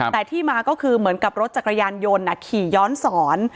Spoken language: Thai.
แต่ที่มาก็คือเหมือนกับรถจักรยานยนต์ขี่ย้อนสอน